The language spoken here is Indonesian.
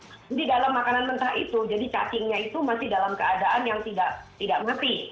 jadi dalam makanan mentah itu jadi cacingnya itu masih dalam keadaan yang tidak mati